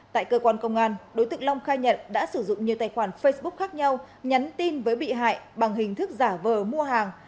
tại cơ quan công an đối tượng long khai nhận đã sử dụng nhiều tài khoản facebook khác nhau nhắn tin với bị hại bằng hình thức giả vờ mua hàng